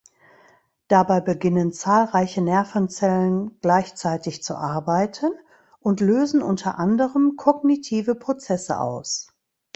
Dabei beginnen zahlreiche Nervenzellen gleichzeitig zu arbeiten und lösen unter anderem kognitive Prozesse aus.